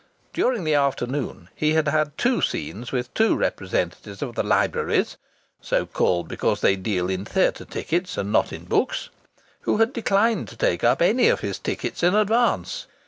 During the afternoon he had had two scenes with two representatives of the Libraries (so called because they deal in theatre tickets and not in books) who had declined to take up any of his tickets in advance.